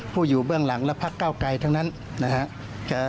ผู้อยู่เบื้องหลังและภักดิ์เก้ากลายทั้งนั้นนะฮะ